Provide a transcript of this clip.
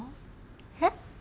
えっ？